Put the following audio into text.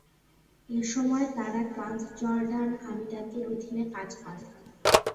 এসময় তারা ট্রান্সজর্ডান আমিরাতের অধীনে কাজ করে।